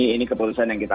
ini keputusan yang kita